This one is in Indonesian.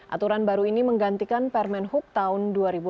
aturan baru ini menggantikan permen hub tahun dua ribu enam belas